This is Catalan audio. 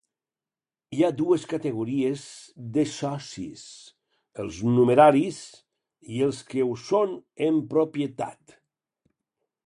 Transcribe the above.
Hi ha dues categories de socis: els numeraris i els que ho són en propietat.